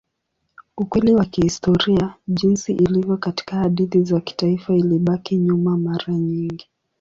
Ukweli wa kihistoria jinsi ilivyo katika hadithi za kitaifa ilibaki nyuma mara nyingi.